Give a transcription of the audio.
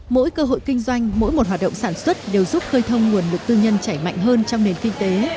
mỗi cơ hội kinh doanh mỗi một hoạt động sản xuất đều giúp khơi thông nguồn lực tư nhân chảy mạnh hơn trong nền kinh tế